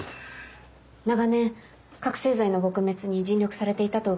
長年覚醒剤の撲滅に尽力されていたと伺っています。